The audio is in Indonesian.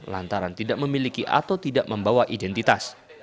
lantaran tidak memiliki atau tidak membawa identitas